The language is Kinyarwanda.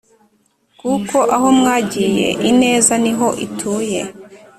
kuko aho mwagiye ineza niho ituye.